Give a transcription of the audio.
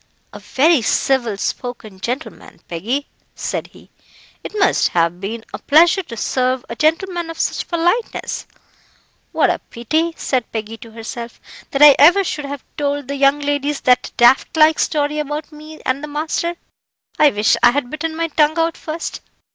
"A very civil spoken gentleman, Peggy," said he. "It must have been a pleasure to serve a gentleman of such politeness." "What a pity," said Peggy to herself, "that I ever should have told the young ladies that daft like story about me and the master. I wish I had bitten my tongue out first.